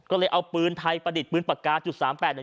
ก็เลยเอาปืนไทประดิษฐ์ปืนปากกา๐๓๘หนึ่ง